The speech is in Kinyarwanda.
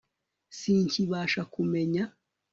Sinkibasha kumenya